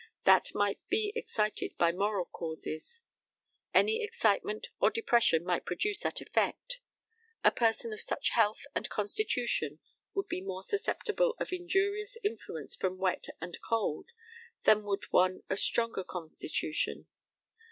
That might be excited by moral causes. Any excitement or depression might produce that effect. A person of such health and constitution would be more susceptible of injurious influence from wet and cold than would one of stronger constitution.